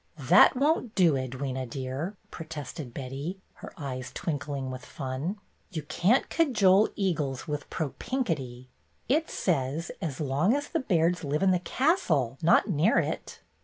"That won't do, Edwyna, dear," protested Betty, her eyes twinkling with fun. "You can't cajole eagles with pro pink itty. It says, 'As long as the Bairds live in the castle,' not near it."